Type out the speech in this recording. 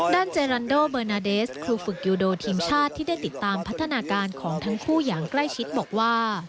เจรันโดเบอร์นาเดสครูฝึกยูโดทีมชาติที่ได้ติดตามพัฒนาการของทั้งคู่อย่างใกล้ชิดบอกว่า